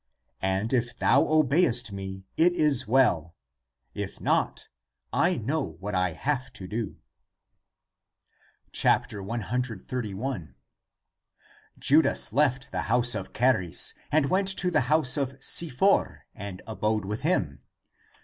And if thou obey est me <it is well; if not,> I know what I have to do." 131. Judas left the house of Charis and went to the house of Si for, and abode with him.